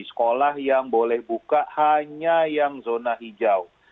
sekolah yang boleh buka hanya yang zona hijau